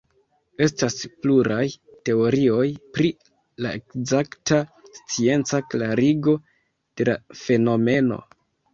Estas pluraj teorioj pri la ekzakta scienca klarigo de la fenomeno.